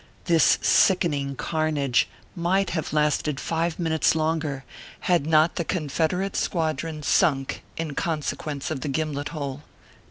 This sickening carnage might have lasted five min utes longer, had not the Confederate squadron sunk in consequence of the gimlet hole.